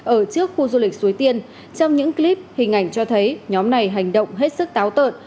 ở trước khu du lịch suối tiên trong những clip hình ảnh cho thấy nhóm này hành động hết sức táo tợn